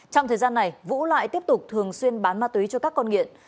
trong thời gian này vũ lại tiếp tục thường xuyên bán ma túy cho các con nghiện